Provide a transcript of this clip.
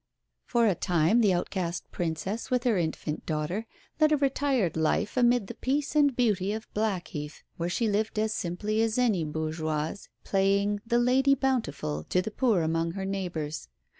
For a time the outcast Princess, with her infant daughter, led a retired life amid the peace and beauty of Blackheath, where she lived as simply as any bourgeoise, playing the "lady bountiful" to the poor among her neighbours.